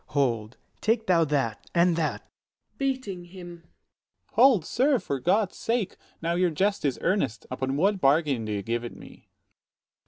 Hold, take thou that, and that. [Beating him. Dro. S. Hold, sir, for God's sake! now your jest is earnest: Upon what bargain do you give it me?